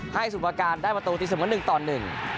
ให้สุปการณ์ได้ประตูที่สองกันหนึ่งต่อหนึ่ง